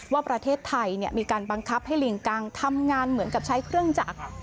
ว่าประเทศไทยมีการบังคับให้ลิงกังทำงานเหมือนกับใช้เครื่องจักร